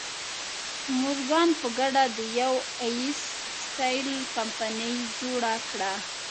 مورګان په ګډه د یو ایس سټیل کمپنۍ جوړه کړه.